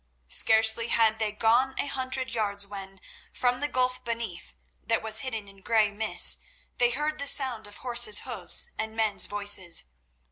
Scarcely had they gone a hundred yards when, from the gulf beneath, that was hidden in grey mists, they heard the sound of horse's hoofs and men's voices.